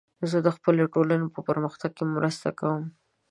زه د خپلې ټولنې په پرمختګ کې مرسته کوم.